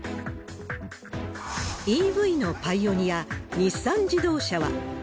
ＥＶのパイオニア、日産自動車は。